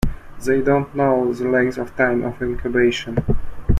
They do not know the length of time of incubation.